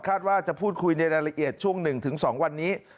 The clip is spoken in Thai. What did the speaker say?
ว่าจะพูดคุยในรายละเอียดช่วง๑๒วันนี้